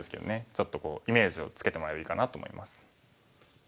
ちょっとイメージをつけてもらえればいいかなと思います。